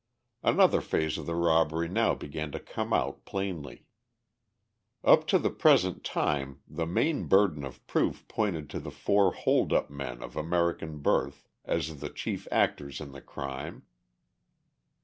Another phase of the robbery now began to come out plainly. Up to the present time the main burden of proof pointed to the four "hold up" men of American birth as the chief actors in the crime.